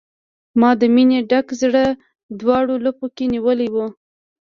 ما د مینې ډک زړه، دواړو لپو کې نیولی و